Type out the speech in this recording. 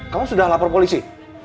kamu sudah lapor polisi